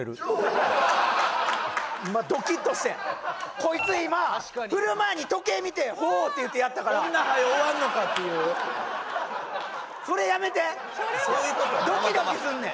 こいつ今振る前に時計見て「ほ」って言ってやったからこんなはよ終わるのかっていうそれやめてドキドキすんねん